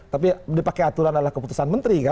tapi dipakai aturan adalah keputusan menteri kan